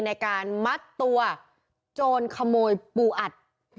ในการมัดตัวโจรขโมยปูอัด